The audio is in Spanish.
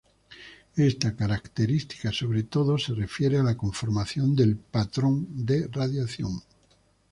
Esta característica sobre todo se refiere a la conformación del patrón de radiación.